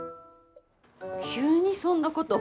急にそんなこと。